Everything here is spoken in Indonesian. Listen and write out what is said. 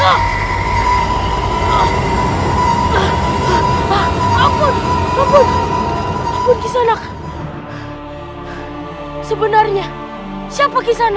aku mau tahu seberapa hebat